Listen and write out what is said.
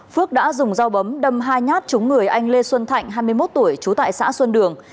phước đã dùng dao bấm đâm hai nhát trúng người anh lê xuân thạnh hai mươi một tuổi trú tại xã xuân đường